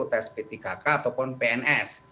tes p tiga k ataupun pns